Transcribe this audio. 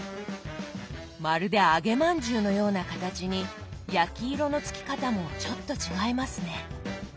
まるで揚げまんじゅうのような形に焼き色のつき方もちょっと違いますね。